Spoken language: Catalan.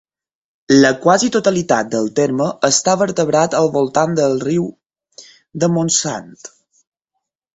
La quasi totalitat del terme està vertebrat al voltant del riu de Montsant.